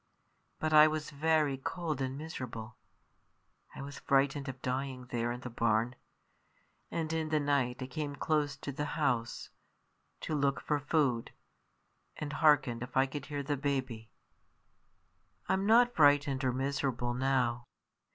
But I was very cold and miserable; I was frightened of dying there in the barn. And in the night I came close to the house to look for food and hearken if I could hear the baby. I'm not frightened or miserable now."